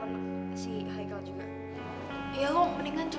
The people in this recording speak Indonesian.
usahanya boy buat ikutan kontes cucu cucu